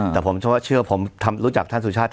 แต่ผมเพราะเชื่อผมทำรู้จักท่านสุชาติ